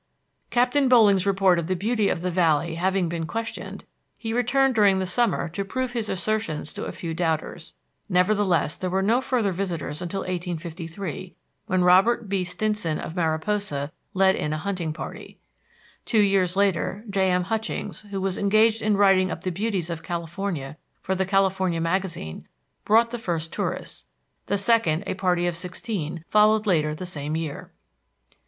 Captain Boling's report of the beauty of the valley having been questioned, he returned during the summer to prove his assertions to a few doubters. Nevertheless, there were no further visitors until 1853, when Robert B. Stinson of Mariposa led in a hunting party. Two years later J.M. Hutchings, who was engaged in writing up the beauties of California for the California Magazine, brought the first tourists; the second, a party of sixteen, followed later the same year.